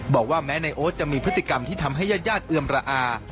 บอกว่าแม้นายโอ๊ตจะมีพฤติกรรมที่ทำให้ญาติญาติเอือมระอา